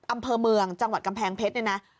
อำเภอเมืองจังหวัดกำแพงเพชรเนี่ยนะ